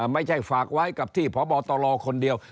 ไม่ใช่ฝากไว้กับที่พบตรคนเดียว